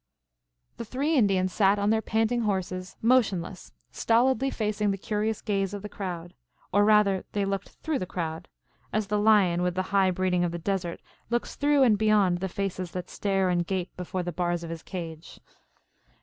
The three Indians sat on their panting horses, motionless, stolidly facing the curious gaze of the crowd; or rather they looked through the crowd, as the lion, with the high breeding of the desert, looks through and beyond the faces that stare and gape before the bars of his cage.